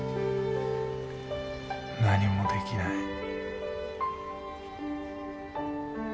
何もできない。